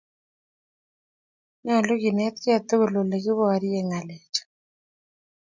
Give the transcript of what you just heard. Nyalu kenetkei tugul olekiboryen ng'alechum